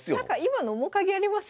今の面影ありますよね